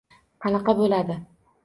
Qanaqa bo‘ladi?